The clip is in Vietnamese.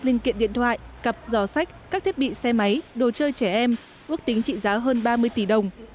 linh kiện điện thoại cặp dò sách các thiết bị xe máy đồ chơi trẻ em ước tính trị giá hơn ba mươi tỷ đồng